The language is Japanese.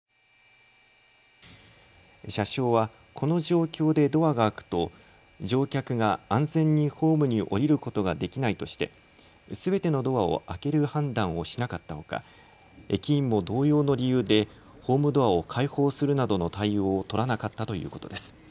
車掌は、この状況でドアが開くと乗客が安全にホームに下りることができないとしてすべてのドアを開ける判断をしなかったほか駅員も同様の理由でホームドアを開放するなどの対応を取らなかったということです。